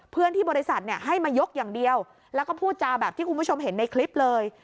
เพื่อนที่บริษัทให้มายกอย่างเดียวแล้วก็พูดจาแบบที่คุณผู้ชมเห็นในคลิปเลย